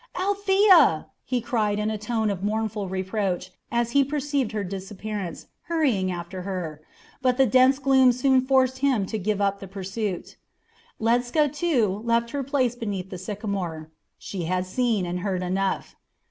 "Althea!" he cried in a tone of mournful reproach as he perceived her disappearance, hurrying after her; but the dense gloom soon forced him to give up the pursuit. Ledscha, too, left her place beneath the sycamore. She had seen and heard enough.